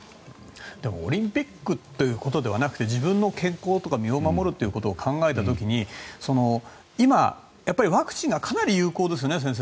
でもオリンピックってことではなくて自分の健康とか身を守ることを考えた時に今、ワクチンがかなり有効ですよね。